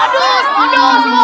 wow bagus bagus